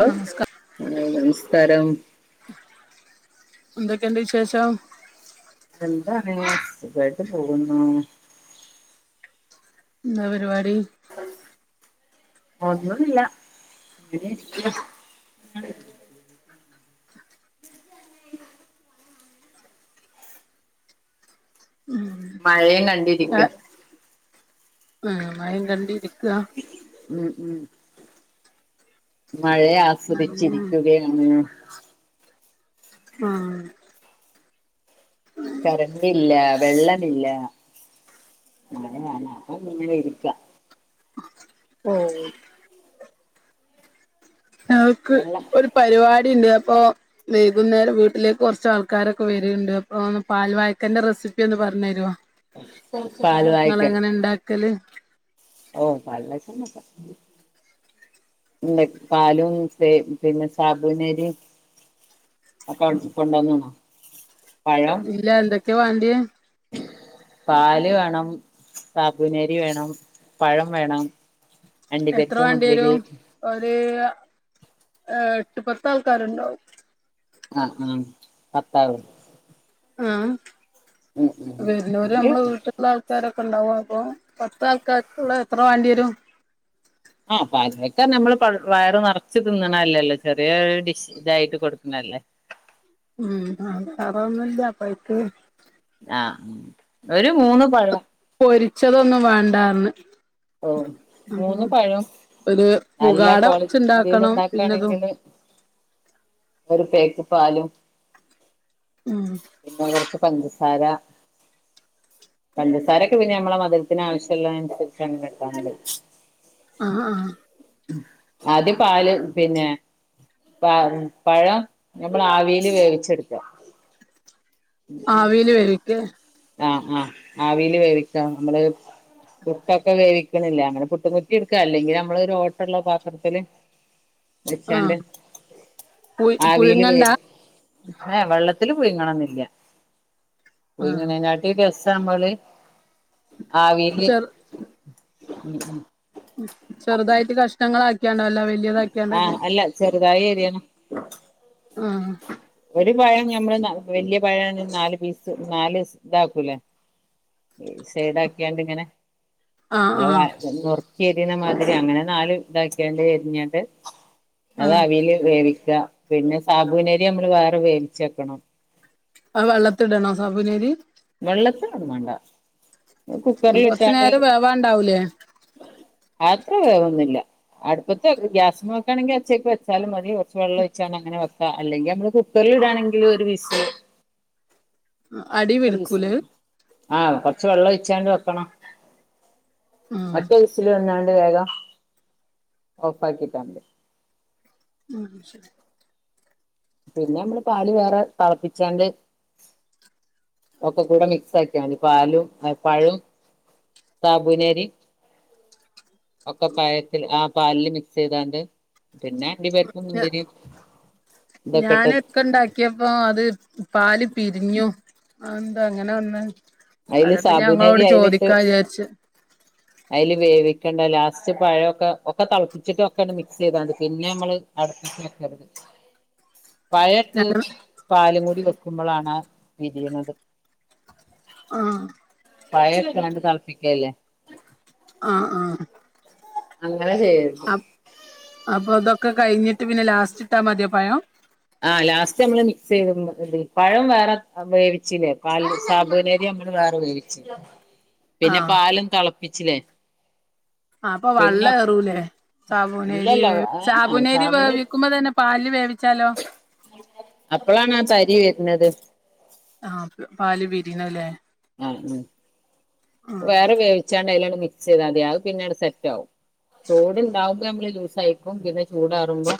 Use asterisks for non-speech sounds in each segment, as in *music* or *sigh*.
ആ നമസ്കാരം ഹല നമസ്കാരം എന്തൊക്കെയ എന്ത വിശേഷം എന്താണ് സുഖായിട്ട് പോകുന്നു എന്താ പരിപാടി ന്നുമില്ല അങ്ങന *unintelligible* ഉം മഴയും കണ്ടിരിക്ക ഉ മയം കണ്ടിരിക്കുക ഉം ഉം മഴയ ഉം ആസ്വദിച്ചിരിക്കുകയാണ് ആഹ കരണ്ടില്ലവെള്ളമില്ല അങ്ങെ അപ്പൊ ഇങ്ങെ ഇരിക്ക ഓ ഞൾക്ക് വെള്ളം ഒരു പരിപാടി ഉണ്ട് ഇപ്പോൊ വൈകുന്നേരം വീട്ടിലേക്ക് കുറച്ച ആൾക്കാരൊക്കെ വരിയണ്ട് അപ്പോ പൽ വായക്കന്റെറെ റെസിപ്പിന്ന് പറ പറഞ്ഞരോ പാല് നിങ്ങള വായിക്കാൻ എങ്ങനെ ഉണ്ടാക്കല് ഓ പാൽ വയ്ക്ക പറ എന്ത പാലും പിന്നെ സാബുനരി ആ ക കൊണ്ടന്നണോ ഇല്ല എന്തൊക്കെയവാ ണ്ടിയേ പാല് വേണം സാബു നരി വേണം പഴം വേണം എത്ര അണ്ടിപ്പരിപ്പ് വണ്ടി മുന്തിരി വരും ഒരു ഏ എട്ട് പത്ത് ആൾക്കാരുണ്ടാവും ആഹ ഉം പത്താവ ആ വരുന്നൂര് നമ്മള് അത് വീട്ടിലുള്ള ആൾക്കാരൊക്കെ ഉണ്ടാവ അപ്പൊ പത്ത ആൾക്കാർക്കുള്ള എത്ര വേണ്ടി വരും ആഹ പാൽ വാഴക്ക നമ്മള് വയറ് നറച്ചു തിന്നണല്ലല്ലോ ചെറിയ ഡിഷ് ഇതായിട്ട് കൊടുക്കാല്ലേ ഉ അറന്നില്ല പോയിട്ട *unintelligible* ആഹ ഒരു മൂന്ന് പഴം പൊരിച്ചതൊന്ന് വേണ്ടാന്ന് ഓ മൂന്ന് പഴം ഒരു നല്ല പുകാട കോക്വാളിൽ വെച്ചുണ്ടാക്കണം പിന്നെതും ഉണ്ടാക്കയാണെങ്കില് ഒരു പേക്ക് പാലും ഉം പിന്നെടക്ക് പ സാര പചസാര ഒക്കെ പിന്നെ നമ്മള മധരത്തിന് ആവശ്യമുള്ളനുസരി ഭക്ഷണം കിട്ടാന *unintelligible* ആഹ ആഹ അത് പാല് പിന്നെ പ പഴം നമ്മൾ ആവിൽ വേവിച്ചെടുക്കാം ആ വീല് വേവിക്കെ ആഹ ആഹ് ആവിൽ വേവിക്ക നമ്മള് പു ട്ടൊക്കെ വേവിക്കണില്ല അങ്ങനെ പുട്ട് കു റ്റി എടുക്കുക അല്ലെങ്കിൽ നമ്മളൊ ഒരു ഓട്ടള്ള പാത്രത്തില് ആഹ വെച്ചാണ്ട് പു പുഴുങ്ങണ്ടാ ഏ വെള്ളത്തില് പു യിങ്ങണന്നില്ല ആഹ എട്ടസാമ്മളി *unintelligible* െ ചെറുതായിട്ട് കഷ്ണ ങ്ങളാക്കി ആണ്ടല്ല വലിയത ആാക്കിയാണ്ട തന്നെ ആഹ് അല്ല ചെറുതായി എ രിയണം ആഹ ഒരു പഴം ഞമ്മള് വല്യ പഴം നാല് പീസ് നാല് ഇതാക്കൂലെ സൈഡ ആാക്കിയാണ്ട് ഇങ്ങനെ ആഹ് നമ്മള ആഹ് നറുക്കി എരിുന്ന മാതിരി അങ്ങനെ നാാല ഇതാക്കണ്ട എരിഞ്ഞിട്ട് അത് ആഹ് അവൽ വേവിക്ക പിന്നെ സാബുവിനരി നമ്മള് വേറെ വേവിച്ചെക്കണം ആ വെള്ളത്തിടണോ സാബനരി വെള്ളത്തി അടു മണ്ട കൊറച്ചു കുക്കറൽിട്ടാണ്ട് നേരം വേവാണ്ടാവൂലേ അത്ര വേൊന്നില്ല അടുപ്പത്തെ ഗ്യാസ് നോക്കയാണെങ്കിൽച്ചക്കക്ക് വെച്ചാലും മതി കുറച്ച് വെള്ളംഴ അങ്ങനെക്കാ അല്ലെങ്കിൽ നമ്മ കു ടാണെങ്കിലും ഒരു വിസ് *unintelligible* അടിവടുക്കൂല് ആഹ് കൊറച്ച വെള്ളം ഒഴിച്ചാണ്ട് വെക്കണം ആഹ് മറ്റേ ദസൽ വന്ന വേഗം ഓഫാക്കിക്കാണ്ട് ഉം ശരി പിന്നെ മ്മള് പാല് വേറെ തളപ്പിച്ചാണ്ട് ഒക്കെ കൂടെ മിക്സ് ആക്കിയാണ്ട് പാലും അ പഴും സാബൂനരി ഒക്കെ പയത്തില് ആ പാലില് മിക്സ് യ്താണ്ട് ഞാ ഇതൊക്കെ ഇട്ട് ഞാന് ക്ക ണ്ടാക്കിയപ്പോ അത് പാല് പിരിഞ്ഞു അഹ് ന്താ അങ്ങനെ വന്നേ അതില് അതാപ്പ ഞാൻ സാബുനരി ങ്ങളോട് ചോദിക്കാ ചാരിച്ച അയ്ല് വേവിക്കേണ്ട ലാസ്റ്റ് പയൊക്കെ ഒക്കെ തിളപ്പിച്ചിട്ട് ഒക്കെണ്ട് മിക്സ് യ്താതി പിന്നെ മ്മള് ഇളക്കരുത് *inaudible* പഴട്ട് ഞങ്ങൾ പാലും കൂടി വെക്കുമ്പളാണ് പിരിയ്ണത് ആ പഴട്ടാണ്ട് തളപ്പിക്കല്ല്ലേ ആ ആ ങ്ങന ചെയ്യർത് ക്കെ കഴിഞ്ഞിട്ട് പിന്നെ ലാസ്റ്റ് ഇട്ടാ മതിയോ പയം ആ ലാസ്റ്റ് നമ്മള് മിക്സ് *unintelligible* ചെയ് പഴം വേറെ വേവിച്ചില്ലേ പാൽ സാബൂനരി ങേട്ട് വേറെ വേവിച്ച് പിന്നെ ആഹ് പാലും തളപ്പിച്ചിലെ ആ അപ്പ വള്ളേറൂലേ സാബൂനരി ഇല്ലല്ല വേ ഏഹ് സാബൂനരി സാബുന് വേവിക്കുമ്പ തന്നെ പാലില് വേവിച്ച അപ്പളാണ് ആ തരി വര്ന്നത് ആ പാല് പിരിണലെ ആ ഉ ആഹ് വേറെ വേവിച്ചാണ്ട് അയ്ലോക്കെ മിക്സ്യ്താ മതി അഹ് പിന്നെട് സെറ്റാ വും ചൂട്ണ്ടാവുമ്പ മ്മള് ലൂസായ്ക്കും പിന്നെ ചൂടാറുമ്പോ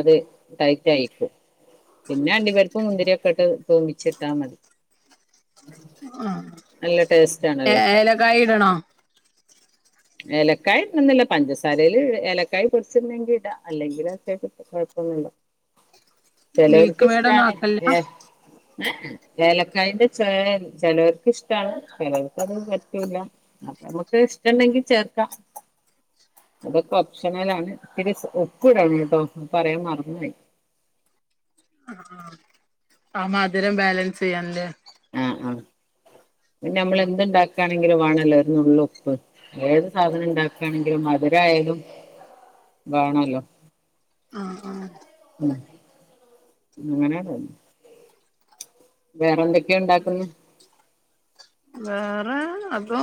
അത് ടൈറ്റായിക്കും പിന്നെ അണ്ടി പരിപ്പും മുന്തിരി ഒക്കെട്ട് ത്തുബിച്ട്ടാ മതി അ നല്ല ടേസ്റ്റ് ഏ ആണല്ലോ ഏലക്കായി ടണോ ഏലക്കായി ഇടണന്നില്ല പഞ്ചസാരയില് ഏലക്കായി പൊട്ച്ടണെങ്കി ഇടാ അല്ലെങ്കിൽ ഒന്നുല്ല മിൽക്ക് ചെലോര്ക്ക് മെയ്ഡ് ഒന്നും ഇഷ്ടാണ് ആക്കലില്ല ഏഹ് ഏലക്കായിന്റെ ചൊയ ചേലോര്ക്ക് ഇഷ്ടാണ്. ചേലോൽക്ക് അത് പറ്റൂല്ല. അപ്പ മ്മക്ക് ഇഷ്ടണ്ടെങ്കി ചേർക്കാ അതൊക്കെ ഒപ്ഷനലാണ് ഇത്തിരി ഉപ്പ്ടണട്ടോ പറയാൻ മറന്ന് പോയി. അ ആഹ് ആ മധ് രം ബാലൻസ്യ്യാൻ അല്ലേ. ആഹ് ആഹ് പിന്നെ നമ്മള് എന്ത്ണ്ടാ ക്കാണെങ്കിലും വാണല്ലോ ഒര് നുള്ള് ഉപ്പ് ഏത് സാധനം ഇണ്ടാക്കാണെങ്കിലും മത് രായാലും വാണെല്ലോ ആഹ് ആഹ് എങ്ങനെ വേറെ ന്തക്യാ ഇണ്ടാക്ക്ന്നെ വേറെ അതോ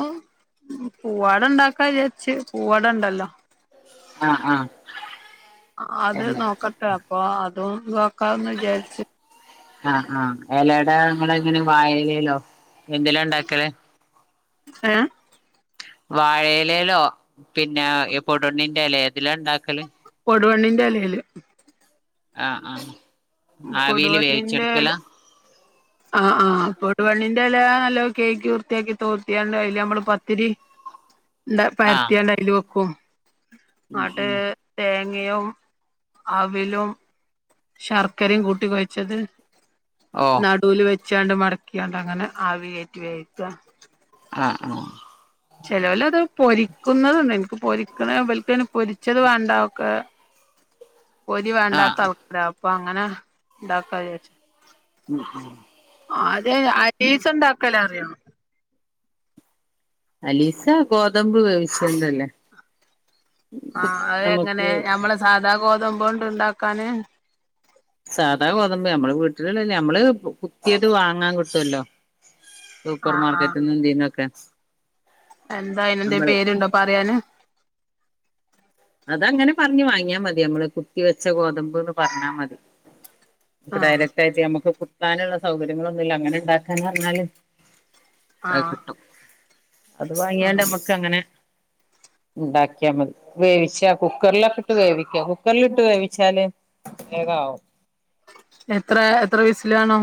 പൂവാട ണ്ടാക്കാ ചാര്ച്ച് പൂവാടണ്ടല്ലോ. ആഹ് ആഹ് അത് എല നോക്കട്ടെ അപ്പൊ അതും നോക്കാന്ന് വിചാർച്. ആഹ് ആഹ് എലട ഇങ്ങെളെങ്ങെനെ വായലയിലോ എന്ത്ലാ ഇണ്ടാക്കല് ഏഹ് വാഴയിലയിലോ പിന്നെ പൊടണ്ണിന്റെ എലെ ഏതിലാ ഇണ്ടാക്കല് കൊടുവണ്ണിന്റെ എലെൽ ആഹ് ആഹ് ആവിൽ വേവിച്ചെടുക്കല *inaudible* ആഹ് ആഹ് പൊടുവണ്ണിന്റെ എല നല്ലോ കെയ്കി വൃത്തിയാക്കി തോത്തിയാണ്ട് അയില് നമ്മള് പത്തിരി എന്താ ആഹ് പരത്തിയാണ്ട് അയിൽ വെക്കും ഉം ആട്ട് ഉം തെ ങ്ങയും അവിലും ശർക്കരയും കൂട്ടി കൊയിച്ചത് ഓഹ് നടുല് വെച്ചാണ്ട് മടക്കിയാണ്ട് അങ്ങനെ ആവി കെറ്റി വേവിക്ക ആഹ് ആഹ് ചെലോലത് പൊരിക്കുന്നത്ണ്ട് എനിക്ക് പൊരിക്കണെ ഇവൽക് അയ്ൻ പൊരിച്ചത് വേണ്ട ഒക്കെ പൊരി വേണ്ടാത്ത ആഹ് ആൾക്കാര അപ്പൊ അങ്ങനെ ഇണ്ടാക്കാച്ച ഉമ് ഉമ് അത്യേ അടീച്ചി ഇണ്ടാക്കൽ അറിയോ അലീസ ഗോതമ്പ് വേവിച്ചണ്ടല്ലേ ആഹ് അഹ് എങ്ങനെ നമുക്ക് ഞമ്മള് സാധാ ഗോതമ്പോണ്ട് ഇണ്ടാക്കാന് സാധാ ഗോതമ്പ് നമ്മള് വീട്ടില നമ്മള് കുത്തിയത് വാങ്ങാൻ കിട്ടുവല്ലോ സൂപ്പർ ആഹ് ആഹ് മാർക്കറ്റ്ന്ന് ഇതിനൊക്കെ എന്താ അയിനെന്തെയ് പേര് ഇണ്ടോ പറിയാന്? അത് അങ്ങനെ പർഞ്ഞ് വാങ്ങിയാ മതി ഞമ്മെൾ കുത്തി വെച്ച ഗോതമ്പ്ന്ന് പർണാ മതി ക്ക് ആഹ് ഡയ്റെക്റ്റ് ആയിട്ട് ഞമ്മെക്ക് കുത്താൻ ഇള്ള സൗകര്യങ്ങളൊന്നു ഇല്ല അങ്ങനെ ഇണ്ടാക്കാന് പർണാൽ അയ് ആഹ് കിട്ടും അത് വാങ്ങിയാണ്ട് ആഹ് ഞമ്മെക്ക് അങ്ങനെ ഇണ്ടാക്കിയാ മതി വേവിച്ചാ കുക്കെർലൊക്കെ ഇട്ട് വേവിക്ക കുക്കെർലിട്ട് വേവിച്ചാല് വേഗം ആവും എത്രെ എത്ര വിസ്ൽ വാണം?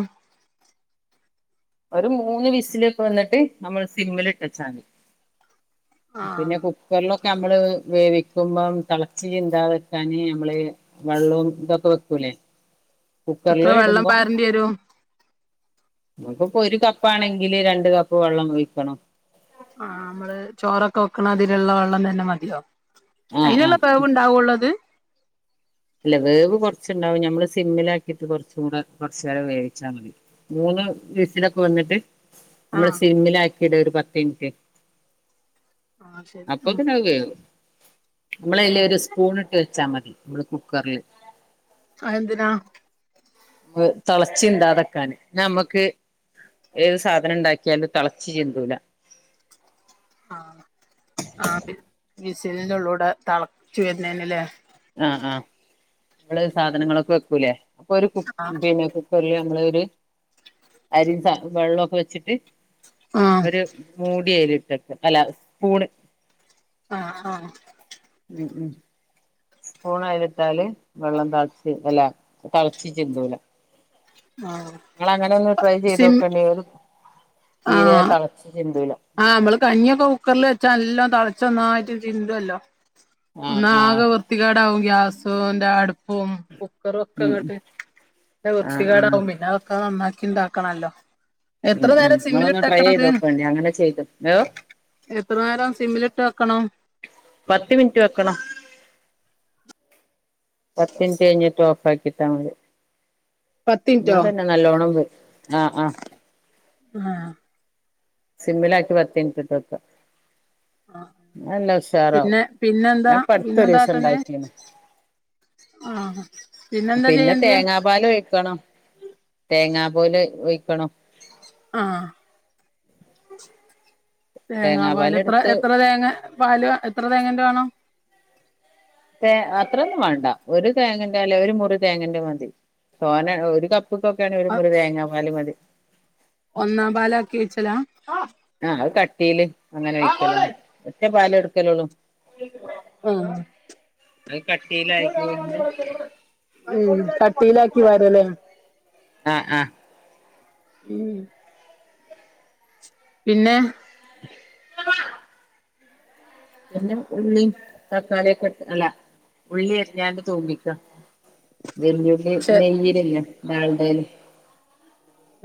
ഒര് മൂന്ന് വിസിലൊക്കെ വെന്നിട്ട് നമ്മെൾ സിമ്മിൽ ഇട്ടെച്ചാ മതി പിന്നെ ആഹ് കുക്കെർലൊ ക്കെ അമ്മെൾ വേവിക്കുമ്പം തളെച്ച് ചിന്താതെക്കാന് ഞമ്മെൾ വളളും ഇതൊക്കെ വെക്കലെ എത്ര വെള്ളം പാരെന്റി വെരും നമ്മെക്ക് ഇപ്പം ഒര് കപ്പാണെങ്കിൽ രണ്ട് കപ്പ് വെള്ളം ഒഴിക്കെണം ആഹ് അമ്മെള് ചോറൊക്കെ വെക്ക്ണ മാതിരി ഇള്ള വെള്ളം തെന്നെ മതിയോ? ആഹ് അയിന് ഇള്ള ആഹ് വേവ് ഇണ്ടാവൊള്ളു അത് അല്ല വേവ് കുറച്ചുണ്ടാവും നമ്മള് സിമ്മിലാക്കിട്ട് കുറച്ച് കൂടെ കുറച്ച് നേരം വേവിച്ചാൽ മതി മൂ വീസിലൊക്കെ വന്നിട്ട് നമ്മള് ആഹ് സിമ്മിലാക്കിട ഒരു പത്ത് മിനിറ്റ് ആഹ് ശരി ഉം അപ്പൊക്കെ നാവുകയോ നമ്മള അല്ല ഒരു സ്പൂൺ ഇട്ട് വെച്ചാൽ മതി നമ്മള് കുക്കറിൽ ആ എന്തിനതിനാ തിളച്ചി ഇണ്ടാതക്കാന് നമ്മുക്ക് ഏത് സാധനം ഉണ്ടാക്കിയാലും തിളച്ചു ചെന്തുല ആഹ ആ വിസിലിനുള്ളിലൂടെ തിളച്ചു വരുന്നേനല്ലേ ആ ആഹ് നള് സാധനങ്ങളൊക്കെ വെക്കൂല്ലേ അപ്പൊ ഒരു ആഹ് പിന്നെ കുക്കറില് നിങ്ങളൊരു അരി വെള്ളമൊക്കെ വെച്ചിട്ട് ആഹ് ഒരു മൂടി അയില ഇട്ടക്ക അല്ല സ്പൂണ് ആഹ ആഹ ഉം ഉം ഊണ ഇരത്താല് വെള്ളം താളിച്ച് അല്ലേ തിളച്ച് ചിന്തുല ആഹ് നിങ്ങ അങ്ങനെ ഒന്ന് ട്രൈ ചെയ്ത് സിം നോക്കേണ്ടി തീരെ ആഹ് തിളച്ച ചെന്തുല ആഹ് നമ്മള് കഞ്ഞിയൊക്കെ കുക്കറിൽ വെച്ചാ എല്ലാം തളച്ചൊന്നായിട്ട് ചിണ്ടല്ലോ ഒന്ന ആഹ് ആഹ് ആകെ വൃത്തികേടാവും ഗ്യാസിന്റെ അടുപ്പ ഉ കുക്കർ വെക്ക ഉം കേട്ടെ ആഹ് ആഹ് വൃത്തികേടാവും പിന്നെ വെക്കാ നന്ന ഇണ്ടാക്കണല്ലോ എത്ര ഉം ഉം നേരം നിങ്ങളൊന്ന് ട്രൈ സിമ്മിലിട്ടാക്കണ ചെയ്ത് അതേ നോക്കോണ്ടി അങ്ങനെ ചെയ്ത് ഏ എത്ര നേരം സിമ്മിലിട്ട് വെക്കണം പത്ത് മിനിറ്റ് വെക്കണം പത്ത് മിനിറ്റ് കഴിഞ്ഞിട്ട് ഓഫ്‌ ആക്കിട്ടാ മതി പത്തിൻറ്റോ അതന്നെ നല്ലോണം വ് ആഹ് ആഹ് ആഹ് സിമ്മിലാക്കി *unintelligible* ആ ആ അല്ല ഉഷാറാവും പിന്നെ പിന്നെന്താ ഞാനിപ്പടുത്തൊരു ദിവസം പിന്നെന്താട്ടണ്ടേ ഉണ്ടാക്കീത ആഹ് പിന്നെന്താ പിന്നെ ചെയ്യേണ്ടിയേ തേങ്ങ പാല് ഒഴിക്കണം തേങ്ങ പോൽ ഒഴിക്കണമ് ആഹ് തേങ്ങ പാല് തേങ്ങാപാല് എത്ര എടുത്ത് എത്ര തേങ്ങ പാല് എത്ര തേങ്ങന്റെ വേണം തേ അത്രൊന്നും വേണ്ട ഒരു തേങ്ങന്റെ അല്ല ഒരു മുറി തേങ്ങന്റെ മതി സോന ഒരു കപ്പ്ക്കൊക്കെയാണ് ഒരു മുറി തേങ്ങാപാല് മതി ഒന്നാം പാലാക്കി ഒഴിച്ചലാ ആഹ് അത് കട്ടീല് അങ്ങനെ വയ്ക്കലോ ഒറ്റ പാലെ എടുക്കലോള്ളു ആഹ് അത് കട്ടീലാക്കിട്ട് ഉമ് കട്ടയിലാക്കിയാ പാലല്ലേ ആഹ് ആഹ് മ് പിന്നെ പിന്നെ ഉള്ളി തക്കാളിയൊക്കെ അല്ല ഉള്ളി അരിഞ്ഞാണ്ട് മുപ്പിക്ക വല്യഉള്ളി ചെ നെയ്യിലില്ല ഡാൽഡയിൽ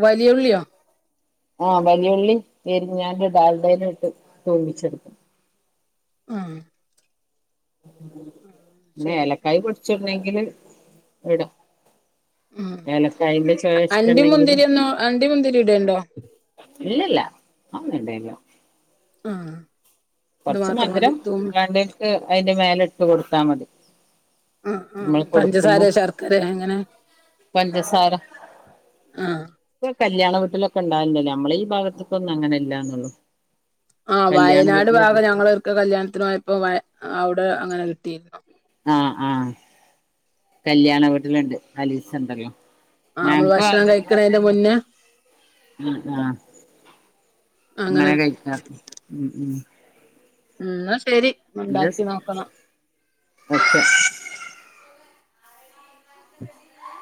വലിയ ഉള്ളിയോ ആഹ് വല്യയുള്ളി ഞാൻ ഒരു ഡാൽഡയില് ഇട്ട് മൂപിച്ചെടുക്കും ആഹ് പിന്നെ ശരി ഏലക്കായ് പൊടിച്ചിടാണെങ്കിൽ ഇടാം ഉം ഏലകായ്ന്റെ ചുവ ഇഷ്ടം അണ്ടി ഉണ്ടെങ്കിൽ മുന്തിരി ഒന്നും അണ്ടി മുന്തിരി ഇടണ്ടോ ഇല്ലില്ല അത് വേണ്ടാനു ആഹ് ഇത് കൊറച്ചു മാത്രം മാധിരം മതി തൂമി വേണ്ടവർക് അതിന്റെ മേലെ ഇട്ടു കൊടുത്താ മതി ആഹ് ആഹ് നമ്മെൾ പഞ്ചസാര കൊട്ക്കുമ്പോ ശർക്കര അങ്ങനെ പഞ്ചസാര ആഹ് ഇപ്പ കല്യാണ വീട്ട്ലൊക്കെ ഇണ്ടാകെൽ ഇണ്ടെല്ലോ നമ്മെളെ ഈ ഭാഗത്ത്ക്ക് ഒന്നും അങ്ങെനെ ഇല്ലാന്നൊള്ളു ആഹ് വയനാട് ഭാഗം ഞങ്ങെൾ ഒര്ക്കെ കല്യാണത്തിന് പോയപ്പം അയുടെ അങ്ങനെ കിട്ടിയിരുന്നു. ആഹ് ആഹ് കല്യാണ വീട്ടിൽ ഇണ്ട് അലീസ ഇണ്ടല്ലോ ആഹ് നമ്മള് ഞങ്ങെക്കും ഭക്ഷണം അങ്ങെനെന്നെ ഞങ്ങെളും കഴിക്കണേന്റെ മുന്നേ അങ്ങെനെന്നെ ആഹ് ആഹ് അങ്ങനെ കഴിക്കാ ഉം ഉം ഉം ഇന്നാ ശെരി ഒന്ന് നല്ല ഇണ്ടാക്കി നോക്കെണം ഓക്കെ